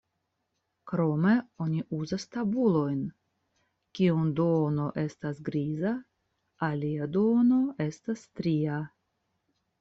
Krome oni uzas tabulojn, kiun duono estas griza, alia duono estas stria.